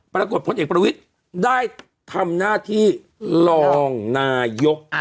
ปรากฏพลเอกประวิทย์ได้ทำหน้าที่รองนายก